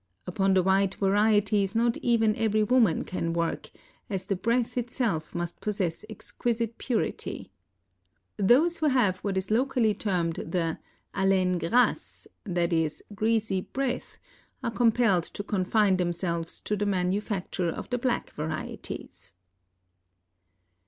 Upon the white varieties not even every woman can work, as the breath itself must possess exquisite purity. Those who have what is locally termed the haleine grasse, i. e., greasy breath, are compelled to con fine themselves to the manufacture of the black varieties.